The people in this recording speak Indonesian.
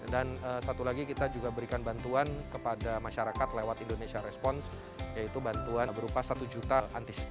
dan satu lagi kita juga berikan bantuan kepada masyarakat lewat indonesia respon yaitu bantuan berupa satu juta antis